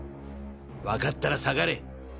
わかったら下がれ！